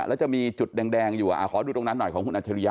แล้วจะมีจุดแดงอยู่ขอดูตรงนั้นหน่อยของคุณอัจฉริยะ